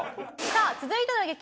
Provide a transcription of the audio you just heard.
さあ続いての激